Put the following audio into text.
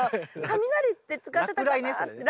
雷って使ってたかなって。